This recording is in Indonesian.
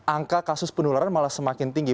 angka kasus penularan malah semakin tinggi